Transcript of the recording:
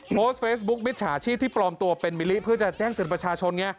โพสต์เฟซบุ๊คมิจฉาชีพที่ปลอมตัวเป็นมิลิเพื่อจะแจ้งเตือนประชาชนไง